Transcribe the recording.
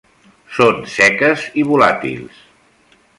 Són seques i volàtils.